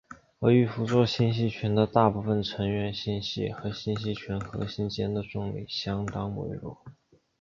而玉夫座星系群的大部分成员星系和星系群核心间的重力相当微弱。